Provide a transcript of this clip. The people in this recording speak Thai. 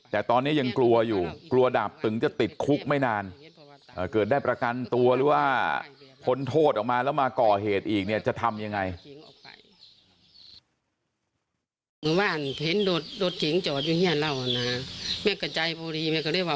แต่ตอนนี้ยังกลัวอยู่กลัวดาบตึงจะติดคุกไม่นานเกิดได้ประกันตัวหรือว่าพ้นโทษออกมาแล้วมาก่อเหตุอีกเนี่ยจะทำยังไง